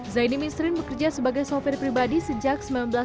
zaini misrin bekerja sebagai sopir pribadi sejak seribu sembilan ratus sembilan puluh